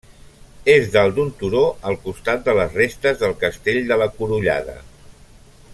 És dalt d'un turó al costat de les restes del Castell de la Curullada.